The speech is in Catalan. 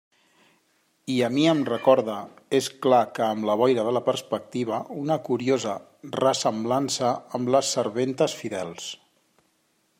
I a mi em recorda, és clar que amb la boira de la perspectiva, una curiosa ressemblança amb les serventes fidels.